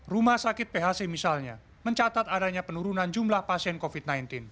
rumah sakit phc misalnya mencatat adanya penurunan jumlah pasien covid sembilan belas